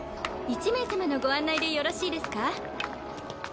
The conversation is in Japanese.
１名様のご案内でよろしいですか？